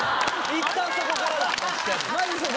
いったんそこからだ！